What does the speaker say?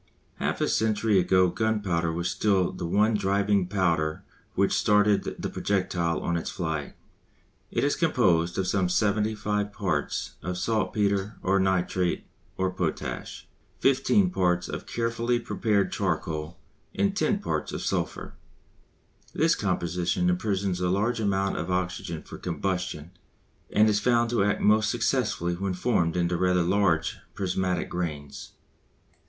Half a century ago gunpowder was still the one driving power which started the projectile on its flight. It is composed of some 75 parts of saltpetre or nitrate of potash, 15 parts of carefully prepared charcoal, and 10 parts of sulphur. This composition imprisons a large amount of oxygen for combustion and is found to act most successfully when formed into rather large prismatic grains.